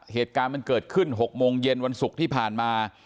เหตุการณ์มันเกิดขึ้น๖โมงเย็นวันศุกร์ที่ผ่านมา